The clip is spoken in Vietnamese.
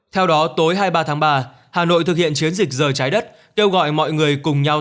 theo đó tối hai mươi ba tháng ba hà nội thực hiện chiến dịch giờ trái đất kêu gọi mọi người cùng nhau